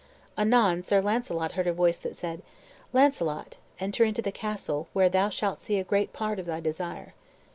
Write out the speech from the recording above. Anon Sir Launcelot heard a voice that said, "Launcelot, enter into the castle, where thou shalt see a great part of thy desire."